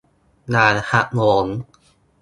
อย่าหักโหม